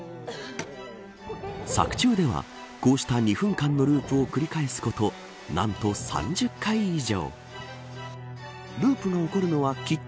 作中では、こうした２分間のループを繰り返すことなんと、３０回以上。